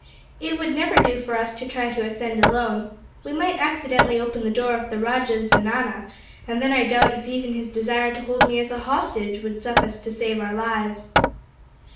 "It would never do for us to try to ascend alone. We might accidentally open the door of the rajah's zenana, and then I doubt if even his desire to hold me as a hostage would suffice to save our lives."